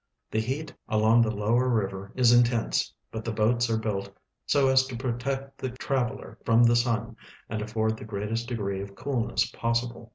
The heat along the lower river is intense, but the boats are built so as to protect the traveler from the sun and afford tlie greatest degree of coolness possible.